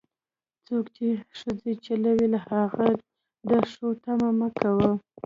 څوک چې ښځې چلوي، له هغو د ښو تمه مه کوه.